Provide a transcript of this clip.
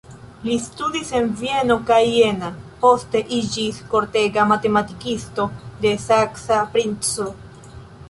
Li studis en Vieno kaj Jena, poste iĝis kortega matematikisto de saksa princo.